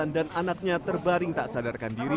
dan anaknya terbaring tak sadarkan diri